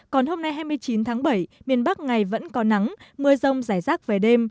còn hôm nay hai mươi chín tháng bảy miền bắc ngày vẫn có nắng mưa rông rải rác về đêm